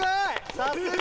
さすが。